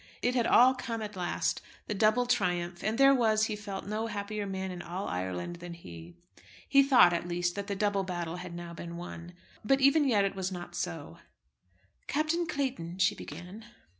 It had all come at last, the double triumph; and there was, he felt, no happier man in all Ireland than he. He thought, at least, that the double battle had been now won. But even yet it was not so. "Captain Clayton," she began.